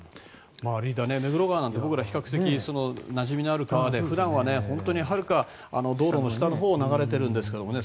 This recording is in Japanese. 目黒川なんて僕ら比較的なじみのある川で普段は、はるか道路の下のほうを流れているんですけれどもね。